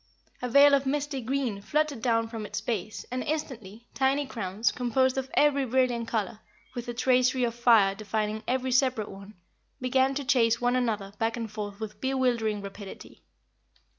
A veil of misty green fluttered down from its base, and, instantly, tiny crowns, composed of every brilliant color, with a tracery of fire defining every separate one, began to chase one another back and forth with bewildering rapidity.